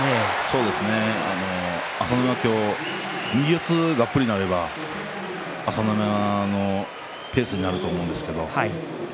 そうですね朝乃山、今日右四つがっぷりになれば朝乃山のペースになると思うんですけど。